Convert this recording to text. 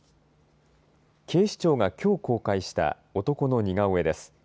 警視庁がきょう公開した男の似顔絵です。